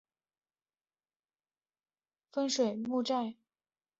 客家风水林与村屋群之间铺设木栈道。